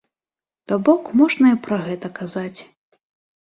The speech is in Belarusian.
То-бок можна і пра гэта казаць.